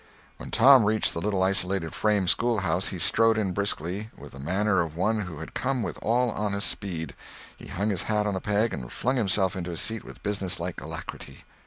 When Tom reached the little isolated frame school house, he strode in briskly, with the manner of one who had come with all honest speed. He hung his hat on a peg and flung himself into his seat with business like alacrity.